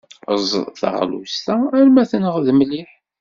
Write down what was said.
Eẓd taɣlust-a arma tenɣed mliḥ.